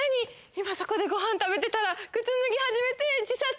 今そこでご飯食べてたら靴脱ぎ始めて自殺？